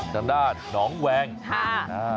ด้านด้านหนองแวงค่ะ